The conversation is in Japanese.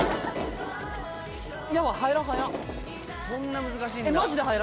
そんな難しいんだ。